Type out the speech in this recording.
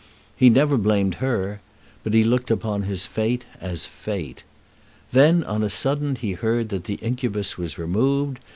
He never blamed her, but looked upon his fate as Fate. Then on a sudden he heard that the incubus was removed.